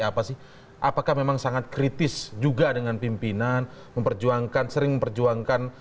apa sih apakah memang sangat kritis juga dengan pimpinan memperjuangkan sering memperjuangkan